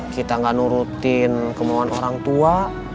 kita nggak nurutin kemauan orang tua